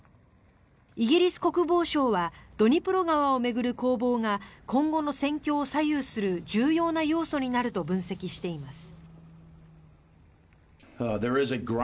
イギリス国防省はドニプロ川を巡る攻防が今後の戦況を左右する重要な要素になると分析しています。